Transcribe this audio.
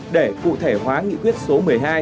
để cụ thể hóa nghị quyết số một mươi hai